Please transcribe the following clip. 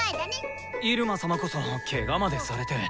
イルマ様こそケガまでされて。